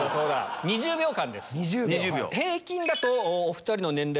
２０秒間です。